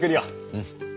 うん。